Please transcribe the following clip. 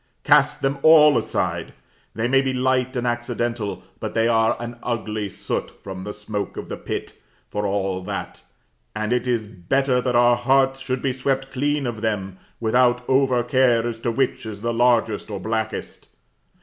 Cast them all aside: they may be light and accidental; but they are an ugly soot from the smoke of the pit, for all that; and it is better that our hearts should be swept clean of them, without over care as to which is largest or blackest.